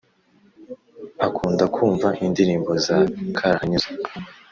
Akunda kumva indirimbo za karahanyuze